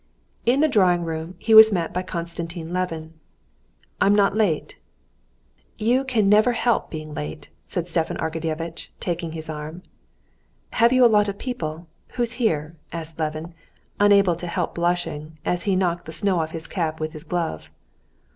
In the dining room he was met by Konstantin Levin. "I'm not late?" "You can never help being late!" said Stepan Arkadyevitch, taking his arm. "Have you a lot of people? Who's here?" asked Levin, unable to help blushing, as he knocked the snow off his cap with his glove.